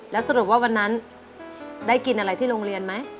แล้วสรุปว่าวันนั้นได้กินอะไรที่โรงเรียนไหม